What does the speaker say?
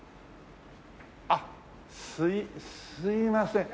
あっすいません。